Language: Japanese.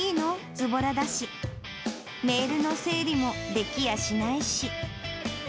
ずぼらだし、メールの整理もできやしないし。